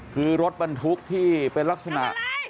คือรถบรรทุกที่เป็นลักษณะ